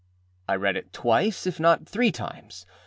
I read it twice, if not three times.